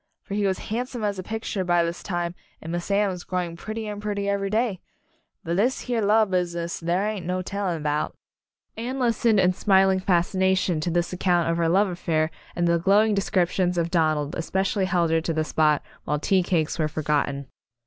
For he was handsome as a picture by this time and Miss Anne was growing pret tier and prettier every day but this here An Announcement Party love business there ain't no telling 'bout." Anne listened in smiling fascination to this account of her love affai'r and the glowing descriptions of Donald espe cially held her to the spot while tea cakes were forgotten.